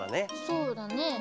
そうだね。